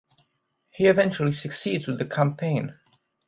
He eventually succeeds with the campaign.